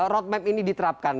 roadmap ini diterapkan